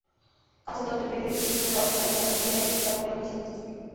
কাচের দরজা পেরিয়ে ঢুকে সোজা অস্থায়ী দেয়ালে দেখা গেল বিশাল একটি ছবি।